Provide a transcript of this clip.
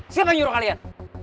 siapa yang nyuruh kalian